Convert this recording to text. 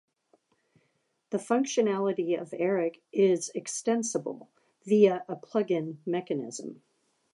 The functionality of eric is extensible via a plug-in mechanism.